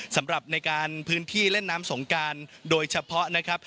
สำหรับในการพื้นที่เล่นน้ำสงการโดยเฉพาะนะครับ